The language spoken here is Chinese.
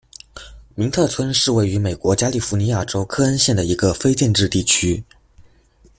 明特村是位于美国加利福尼亚州克恩县的一个非建制地区。